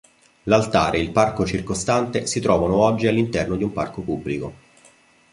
L'altare e il parco circostante si trovano oggi all'interno di un parco pubblico.